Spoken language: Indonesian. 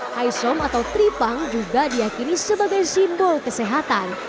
hisom atau tripang juga diakini sebagai simbol kesehatan